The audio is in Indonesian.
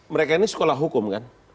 mereka ini sekolah hukum kan